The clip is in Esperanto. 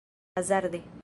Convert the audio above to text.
hazarde